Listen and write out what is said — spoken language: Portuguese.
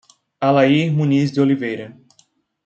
Alair Muniz de Oliveira